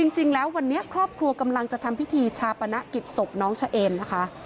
จริงแล้ววันนี้ครอบครัวกำลังจะทำพิธีชาปนกิจศพน้องเฉเอมนะคะ